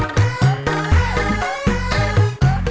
cereban cereban cereban